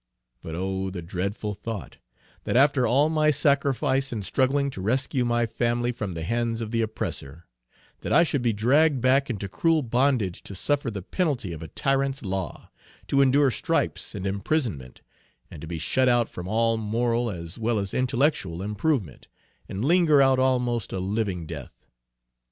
But oh! the dreadful thought, that after all my sacrifice and struggling to rescue my family from the hands of the oppressor; that I should be dragged back into cruel bondage to suffer the penalty of a tyrant's law, to endure stripes and imprisonment, and to be shut out from all moral as well as intellectual improvement, and linger out almost a living death.